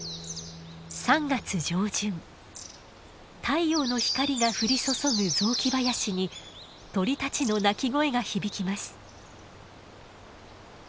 太陽の光が降り注ぐ雑木林に鳥たちの鳴き声が響きます。